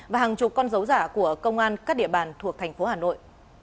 và hàng chục con dấu giả của công an các địa bàn thuộc thành phố hà nội